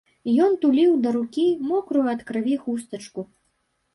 Ён туліў да рукі мокрую ад крыві хустачку.